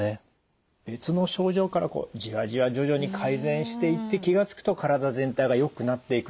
別の症状からじわじわ徐々に改善していって気が付くと体全体がよくなっていくと。